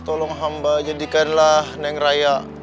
tolong hamba jadikanlah neng raya